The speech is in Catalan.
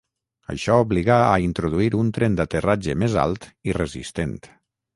Això obligà a introduir un tren d'aterratge més alt i resistent.